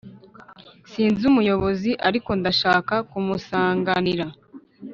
sinzi umuyobozi ariko ndashaka kumusanganira.